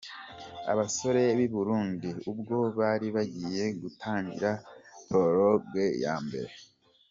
Abasore b’i Burundi ubwo bari bagiye gutangira Prologue ya mbere.